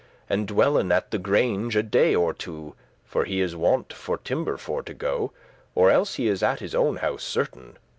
And dwellen at the Grange a day or two: For he is wont for timber for to go, Or else he is at his own house certain.